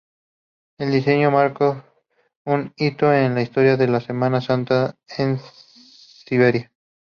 El diseño marcó un hito en la historia de la Semana Santa en Sevilla.